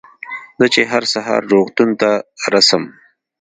زه چې هر سهار روغتون ته رڅم.